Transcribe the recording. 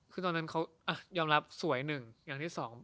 คือตอนนั้นเขายอมรับสวยหนึ่งอย่างที่สอง